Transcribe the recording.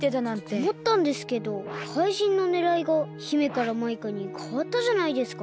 おもったんですけどかいじんのねらいが姫からマイカにかわったじゃないですか。